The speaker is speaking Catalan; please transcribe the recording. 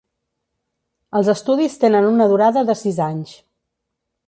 Els estudis tenen una durada de sis anys.